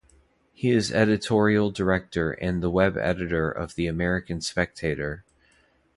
He is editorial director and web editor of "The American Spectator".